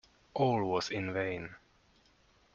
All was in vain.